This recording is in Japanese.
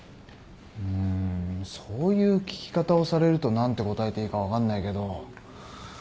うーんそういう聞き方をされると何て答えていいか分かんないけど。